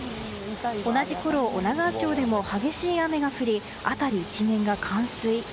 同じころ、女川町でも激しい雨が降り、辺り一面が冠水。